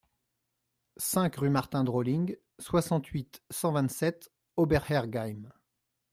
cinq rue Martin Drolling, soixante-huit, cent vingt-sept, Oberhergheim